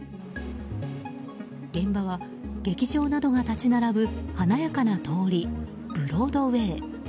現場は劇場などが立ち並ぶ華やかな通り、ブロードウェー。